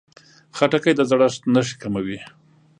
خټکی د زړښت نښې کموي.